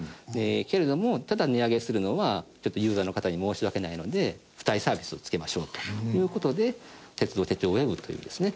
けれどもただ値上げするのはユーザーの方に申し訳ないので付帯サービスを付けましょうという事で鉄道手帳ＷＥＢというですね